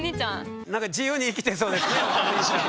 何か自由に生きてそうですねお兄ちゃん。